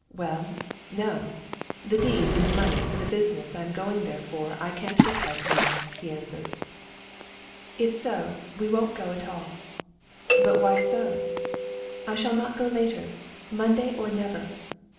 "Well, no! The deeds and the money for the business I'm going there for I can't get by tomorrow," he answered. "If so, we won't go at all." "But why so?" "I shall not go later. Monday or never!"